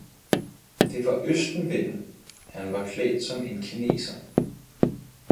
Det var Østenvinden, han var klædt som en kineser.